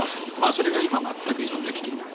それが今全く依存できていない。